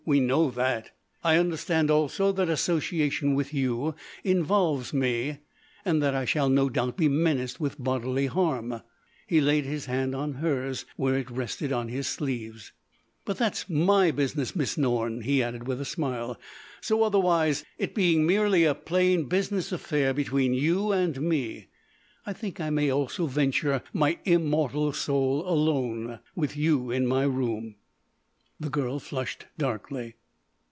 We know that. I understand also that association with you involves me, and that I shall no doubt be menaced with bodily harm." He laid his hand on hers where it still rested on his sleeves: "But that's my business, Miss Norne," he added with a smile. "So, otherwise, it being merely a plain business affair between you and me, I think I may also venture my immortal soul alone with you in my room." The girl flushed darkly.